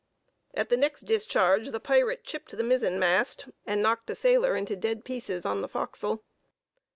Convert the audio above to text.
At the next discharge the pirate chipped the mizzen mast, and knocked a sailor into dead pieces on the forecastle.